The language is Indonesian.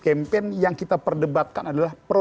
campaign yang kita perdebatkan adalah